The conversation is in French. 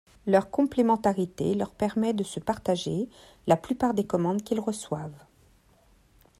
Leur complémentarité leur permet de se partager la plupart des commandes qu'ils reçoivent.